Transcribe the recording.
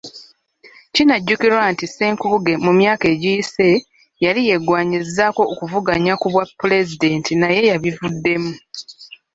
Kinajjukirwa nti Ssenkubuge mu myaka egiyise, yali yeegwanyizaako okuvuganya ku bwapulezidenti naye yabivuddemu.